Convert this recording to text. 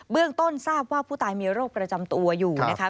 เรื่องต้นทราบว่าผู้ตายมีโรคประจำตัวอยู่นะคะ